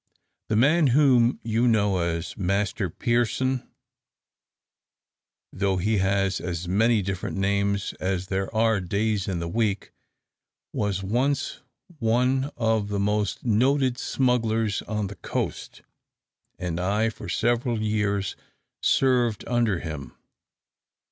"The man whom you know as Master Pearson, though he has as many different names as there are days in the week, was once one of the most noted smugglers on the coast, and I for several years served under him.